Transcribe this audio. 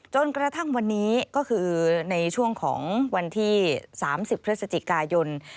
จนกระทั่งวันนี้ก็คือในช่วงของวันที่๓๐พฤศจิกายน